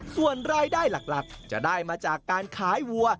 ส่วนรายได้หลักจะได้มาจากการขายวัว